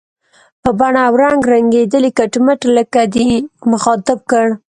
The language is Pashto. په بڼه او رنګ رنګېدلی، کټ مټ لکه دی، مخاطب کړ.